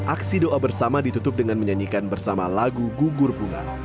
aksi doa bersama ditutup dengan menyanyikan bersama lagu gugur bunga